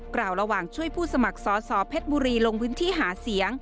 กล่าวระหว่างช่วยผู้สมัครสอสอเพชรบุรีลงพื้นที่หาเสียง